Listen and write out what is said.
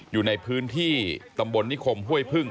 อยู่ในพื้นที่ตำบลนิคมห้วยพึ่ง